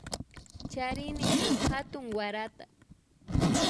Charini shuk hatun warata